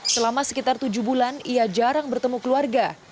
selama sekitar tujuh bulan ia jarang bertemu keluarga